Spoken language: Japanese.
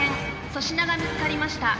粗品が見つかりました。